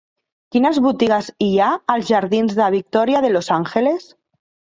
Quines botigues hi ha als jardins de Victoria de los Ángeles?